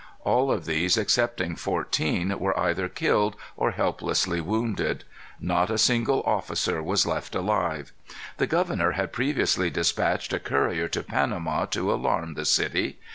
All of these, excepting fourteen, were either killed or helplessly wounded. Not a single officer was left alive. The governor had previously dispatched a courier to Panama to alarm the city.